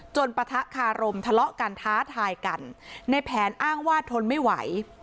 ปะทะคารมทะเลาะกันท้าทายกันในแผนอ้างว่าทนไม่ไหว